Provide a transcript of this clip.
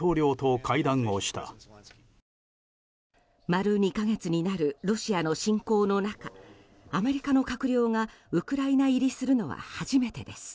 丸２か月になるロシアの侵攻の中アメリカの閣僚がウクライナ入りするのは初めてです。